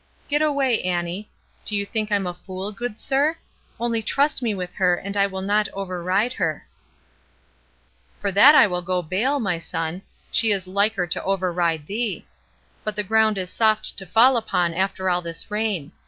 "Get away, Annie. Do you think I'm a fool, good sir? Only trust me with her, and I will not override her." "For that I will go bail, my son. She is liker to override thee. But the ground is soft to fall upon after all this rain.